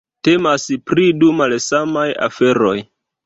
Temas pri du malsamaj aferoj.